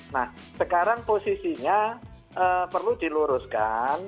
nah sekarang posisinya perlu diluruskan